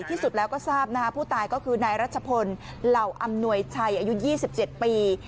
ที่สุดแล้วก็ทราบนะฮะผู้ตายก็คือนายรัชพลเหล่าอำนวยชัยอายุ๒๗ปี